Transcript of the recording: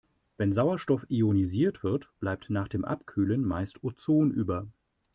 Wenn Sauerstoff ionisiert wird, bleibt nach dem Abkühlen meist Ozon über.